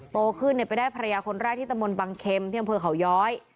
โตขึ้นไปได้ภรรยาคนแรกที่ตะมนตบังเข็มที่อำเภอเขาย้อย